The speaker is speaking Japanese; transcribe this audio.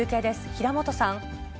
平本さん。